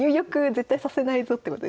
絶対させないぞってことですか？